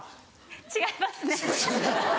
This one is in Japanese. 違いますね。